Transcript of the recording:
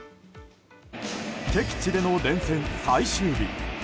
敵地での連戦最終日。